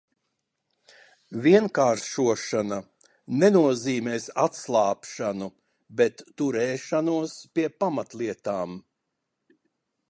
Vienkāršošana nenozīmēs atslābšanu, bet turēšanos pie pamatlietām.